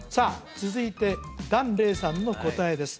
続いて檀れいさんの答えです